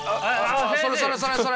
それそれそれそれ。